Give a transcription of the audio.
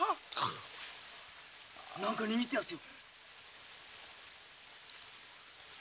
何か握ってますよ。